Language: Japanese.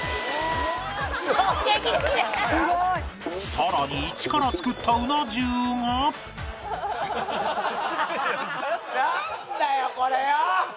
さらに一から作ったうな重がなんだよこれよ！